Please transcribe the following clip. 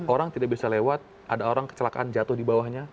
orang tidak bisa lewat ada orang kecelakaan jatuh di bawahnya